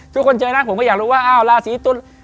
คนเจอนะผมก็อยากรู้ว่าอ้าวราศีตุล